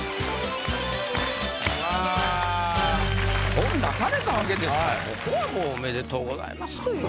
本出されたわけですからここはもうおめでとうございますという。